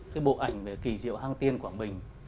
cái bộ ảnh kỳ diệu hang tiên quảng bình